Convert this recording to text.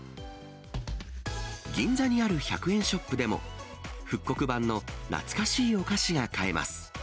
銀座にある１００円ショップでも、復刻版の懐かしいお菓子が買えます。